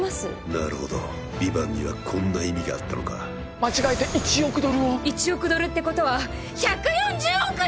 なるほどヴィヴァンにはこんな意味があったのか間違えて１億ドルを１億ドルってことは１４０億円！？